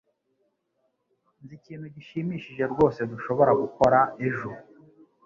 Nzi ikintu gishimishije rwose dushobora gukora ejo.